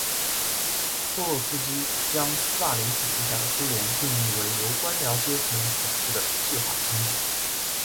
托洛茨基将斯大林统治下的苏联定义为由官僚阶层统治的计划经济。